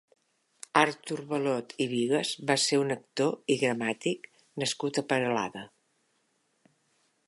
Artur Balot i Bigues va ser un actor i gramàtic nascut a Peralada.